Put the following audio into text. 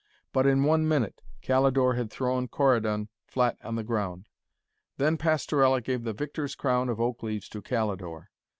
But in one minute Calidore had thrown Corydon flat on the ground. Then Pastorella gave the victor's crown of oak leaves to Calidore.